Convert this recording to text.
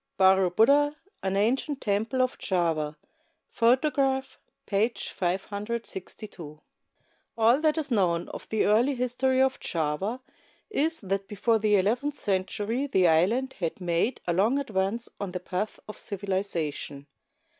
BARO BUDDOR, AN ANCIENT TEMPLE OF JAVA BARO BUDDOR, AN ANCIENT TEMPLE OF JAVA All that is known of the early history of Java is that be fore the eleventh century the island had made a long advance on the path of civilization.